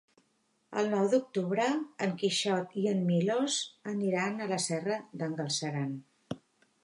El nou d'octubre en Quixot i en Milos aniran a la Serra d'en Galceran.